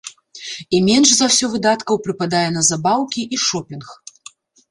І менш за ўсё выдаткаў прыпадае на забаўкі і шопінг.